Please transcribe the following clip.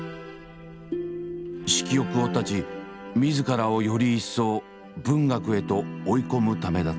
色欲を断ち自らをより一層文学へと追い込むためだったという。